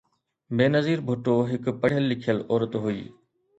بينظير ڀٽو هڪ پڙهيل لکيل عورت هئي.